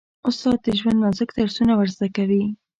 استاد د ژوند نازک درسونه ور زده کوي.